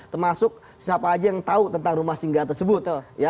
termasuk siapa aja yang tahu tentang rumah singga tersebut